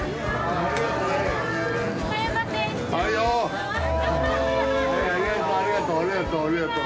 ありがとうありがとう。